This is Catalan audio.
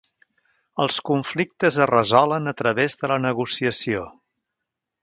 Els conflictes es resolen a través de la negociació.